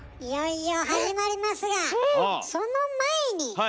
いよいよ始まりますがその前に！